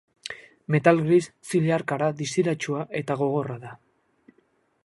Metal gris zilarkara distiratsua eta gogorra da.